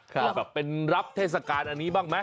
ก็แบบเป็นรับเทศกาลอันนี้บ้างไหม